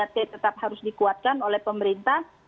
tiga t tetap harus dikuatkan oleh pemerintah